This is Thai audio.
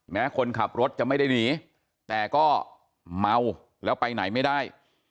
คนขับรถจะไม่ได้หนีแต่ก็เมาแล้วไปไหนไม่ได้